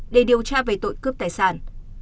để điều tra về tội cướp tài sản